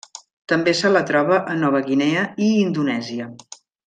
També se la troba a Nova Guinea i Indonèsia.